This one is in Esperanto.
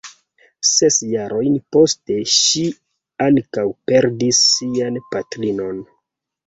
Ses jarojn poste, ŝi ankaŭ perdis sian patrinon.